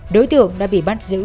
đối tượng đã bị bắt giữ